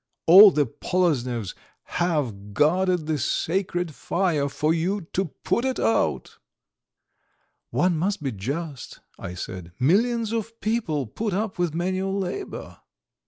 All the Poloznevs have guarded the sacred fire for you to put it out!" "One must be just," I said. "Millions of people put up with manual labour."